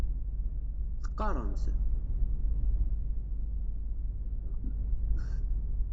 Teqqaremt?